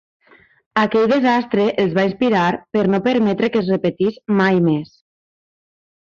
Aquell desastre els va inspirar per no permetre que es repetís mai més.